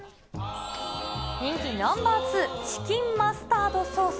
人気ナンバー２、チキンマスタードソース。